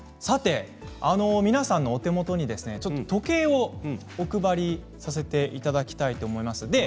皆さんのお手元に時計をお配りさせていただきたいと思います。